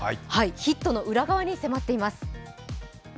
ヒットの裏側に迫っています。